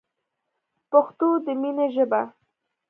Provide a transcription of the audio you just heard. پښتو دی مینی ژبه